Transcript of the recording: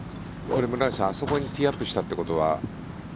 これ村口さんあそこにティーアップしたということは。